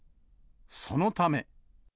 そのため。